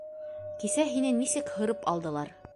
— Кисә һине нисек һырып алдылар.